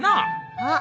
あっ。